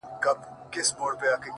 ه شعر كي دي زمـــا اوربــل دی;